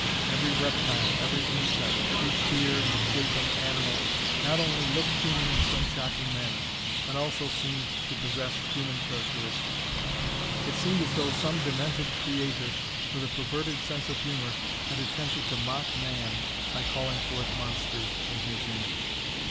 Every reptile, every insect, every queer, misshapen animal not only looked human in some shocking manner, but also seemed to possess human characteristics. It seemed as though some demented creator with a perverted sense of humor had attempted to mock man by calling forth monsters in his image.